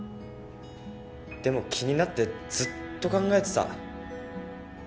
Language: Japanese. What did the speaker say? でも気になってずっと考えてた。